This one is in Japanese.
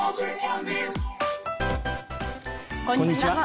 こんにちは。